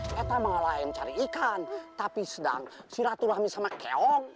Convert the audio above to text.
kita malah yang cari ikan tapi sedang siratulami sama keong